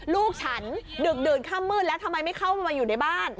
ลูกฉันดึกดื่นค่ำมืดแล้วทำไมไม่เข้ามาอยู่ในบ้าน